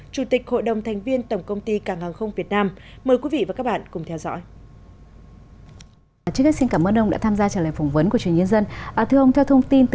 chủ tịch hội đồng thành viên tổng công ty càng hàng không việt nam mời quý vị và các bạn cùng theo dõi